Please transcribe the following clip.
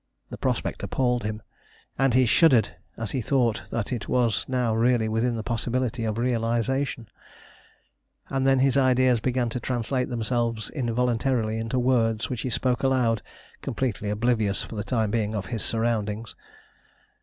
The prospect appalled him, and he shuddered as he thought that it was now really within the possibility of realisation; and then his ideas began to translate themselves involuntarily into words which he spoke aloud, completely oblivious for the time being of his surroundings.